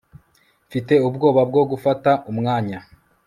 mfite ubwoba bwo gufata umwanya